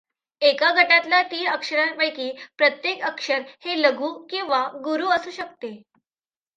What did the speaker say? एका गटातल्या तीन अक्षरांपैकी प्रत्येक अक्षर हे लघु किंवा गुरू असू शकते.